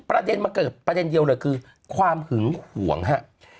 ประเด็นมันเกิดประเด็นเดียวเลยคือความหึงห่วงฮะ